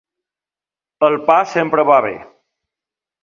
El pa sempre va bé.